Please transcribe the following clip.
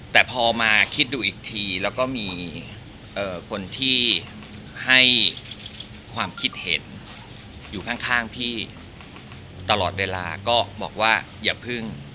แต่พอมาคิดดูอีกทีแล้วก็มีคนที่ให้ความคิดเห็นอยู่ข้างพี่ตลอดเวลาก็บอกว่าอย่าพึ่ง